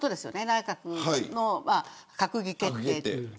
内閣の閣議決定で。